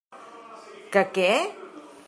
Que què?